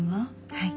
はい。